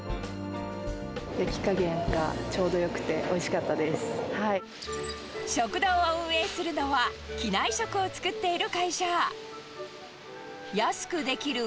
焼き加減がちょうどよくてお食堂を運営するのは、機内食を作っている会社。